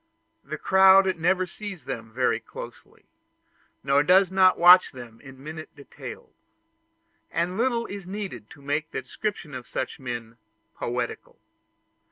The crowd never sees them very closely, or does not watch them in minute details; and little is needed to make the description of such men poetical.